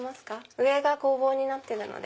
上が工房になってるので。